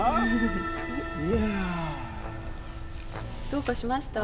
どうかしました？